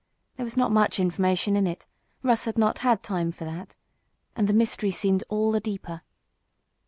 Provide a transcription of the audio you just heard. There was not much information in it Russ had not had time for that and the mystery seemed all the deeper.